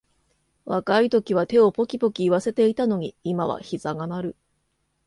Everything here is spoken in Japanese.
若いときは手をポキポキいわせていたのに、今はひざが鳴る